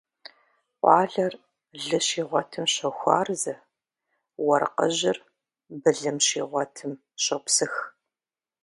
Къуалэр лы щигъуэтым щохуарзэ, уэркъыжьыр былым щигъуэтым щопсых.